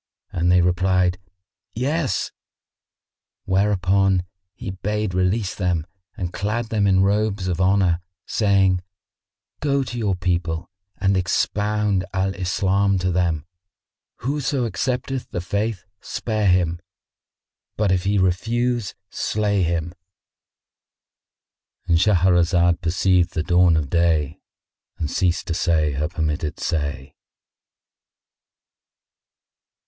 and they replied, "Yes"; whereupon he bade release them and clad them in robes of honour, saying, "Go to your people and expound Al Islam to them. Whoso accepteth the Faith spare him; but if he refuse slay him."——And Shahrazad perceived the dawn of day and ceased to say her permitted say.